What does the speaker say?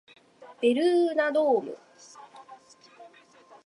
ベルーナドーム